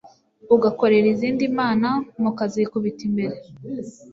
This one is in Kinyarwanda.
ugakorera izindi mana mukazikubita imbere